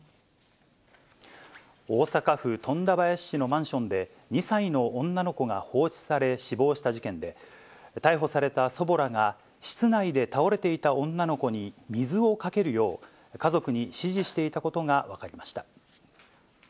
大阪府富田林市のマンションで、２歳の女の子が放置され、死亡した事件で、逮捕された祖母らが、室内で倒れていた女の子に水をかけるよう、家族に指示していたことが分かりました。